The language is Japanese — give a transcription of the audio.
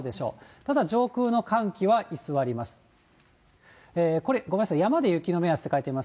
ただ上空の寒気は居座ります。